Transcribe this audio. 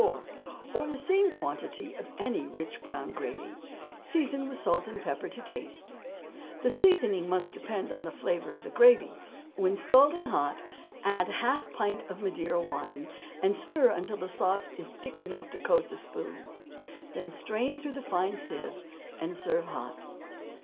44, or the same quantity of any rich brown gravy, season with salt and pepper to taste; the seasoning must depend on the flavor of the gravy; when scalding hot add half a pint of Madeira wine, and stir till the sauce is thick enough to coat the spoon; then strain through a fine sieve, and serve hot.